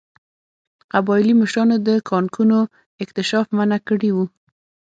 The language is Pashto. قبایلي مشرانو د کانونو اکتشاف منع کړی و.